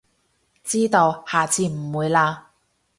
知道，下次唔會喇